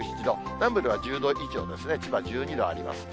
南部では１０度以上ですね、千葉１２度あります。